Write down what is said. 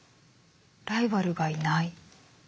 ライバルがいない。